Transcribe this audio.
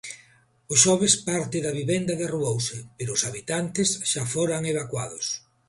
O xoves parte da vivenda derrubouse, pero os habitantes xa foran evacuados.